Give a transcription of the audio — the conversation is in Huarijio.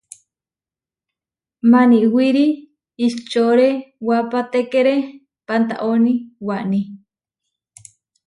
Maniwirí ihčorewapatékere pantaóni waní.